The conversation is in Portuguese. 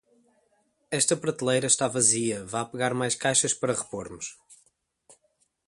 Esta prateleira está vazia, vá pegar mais caixas para repormos.